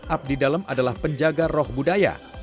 abdi dalam adalah penjaga roh budaya